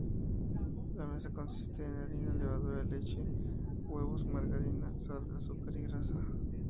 La masa consiste en harina, levadura, leche, huevos, margarina, sal, azúcar, y grasa.